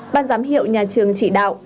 ban giám hiệu nhà trường chỉ đạo